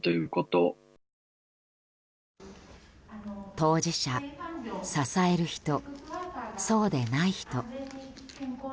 当事者、支える人そうでない人。